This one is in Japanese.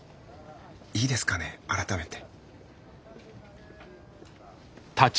いいですかね改めて。